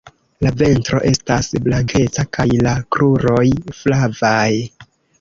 La ventro estas blankeca kaj la kruroj flavaj.